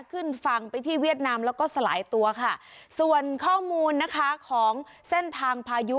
ขึ้นฝั่งไปที่เวียดนามแล้วก็สลายตัวค่ะส่วนข้อมูลนะคะของเส้นทางพายุ